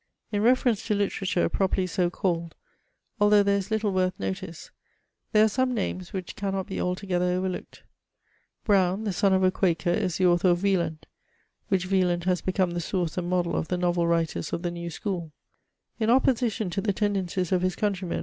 In reference to literature, properly so called, although there is little worth notice, there are some names which cannot be alto gether overlooked. Brown, the son of a Quaker, is the author of " Wieland," which Wieland has become the source and model of the novel writers of the new schooL In opposition to the ten dencies of his countr3rmen.